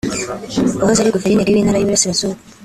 wahoze ari Guverineri w’intara y’uburasirazuba